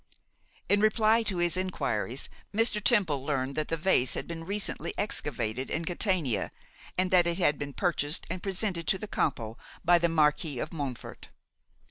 In reply to his enquiries, Mr. Temple learned that the vase had been recently excavated in Catania, and that it had been purchased and presented to the Campo by the Marquis of Montfort.